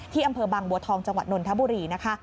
ที่อำเภอบังบัวทองจังหวัดนทบุรี